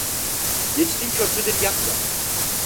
Geçtiğin köprüleri yakma.